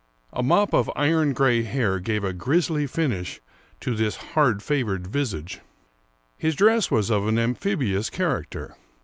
A mop of iron gray hair gave a grisly finish to this hard favored visage. His dress was of an amphibious character.